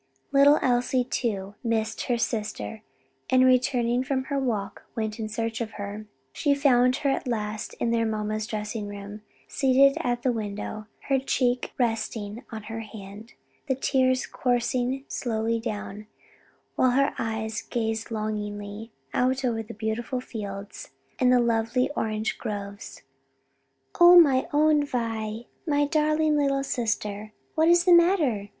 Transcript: Little Elsie, too, missed her sister, and returning from her walk, went in search of her. She found her at last in their mamma's dressing room seated at the window, her cheek resting on her hand, the tears coursing slowly down, while her eyes gazed longingly out over the beautiful fields and lovely orange groves. "Oh my own Vi, my darling little sister! what's the matter?"